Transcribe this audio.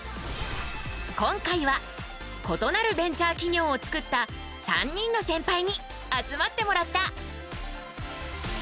今回は異なるベンチャー企業を作った３人のセンパイに集まってもらった。